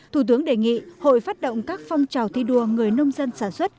thủ tướng đề nghị hội phát động các phong trào thi đua người nông dân sản xuất